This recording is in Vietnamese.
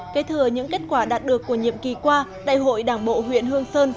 kế thừa những kết quả đạt được của nhiệm kỳ qua đại hội đảng bộ huyện hương sơn